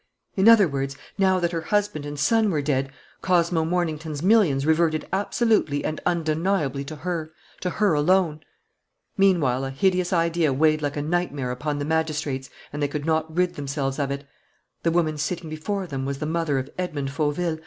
In other words, now that her husband and son were dead, Cosmo Mornington's millions reverted absolutely and undeniably to her, to her alone. Meanwhile, a hideous idea weighed like a nightmare upon the magistrates and they could not rid themselves of it: the woman sitting before them was the mother of Edmond Fauville.